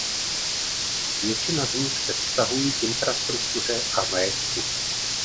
Většina z nich se vztahují k infrastruktuře a majetku.